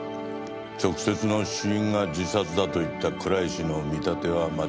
直接の死因が自殺だと言った倉石の見立ては間違っていない。